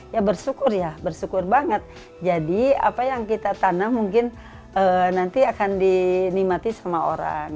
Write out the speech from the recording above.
ya bersyukur ya bersyukur banget jadi apa yang kita tanam mungkin nanti akan dinikmati sama orang